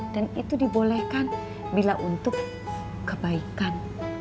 dan itu dibolehkan bila untuk kebaikan